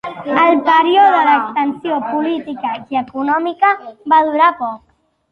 El període d'expansió política i econòmica va durar poc.